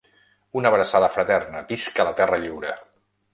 Una abraçada fraterna, visca la terra lliure!